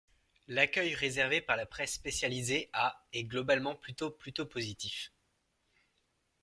L'accueil réservé par la presse spécialisée à ' est globalement plutôt plutôt positif.